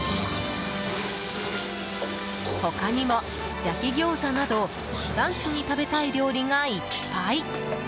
他にも焼きギョーザなどランチに食べたい料理がいっぱい。